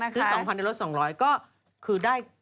ซื้อ๒๐๐ในรถ๒๐๐ก็คือได้